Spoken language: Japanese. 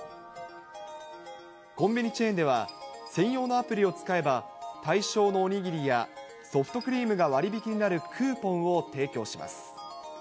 コンビニチェーンでは、専用のアプリを使えば、対象のおにぎりやソフトクリームが割引になるクーポンを提供します。